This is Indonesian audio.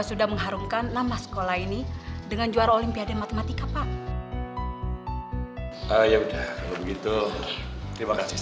sudah mengharumkan nama sekolah ini dengan juara olimpiade matematika pak ya udah begitu terima kasih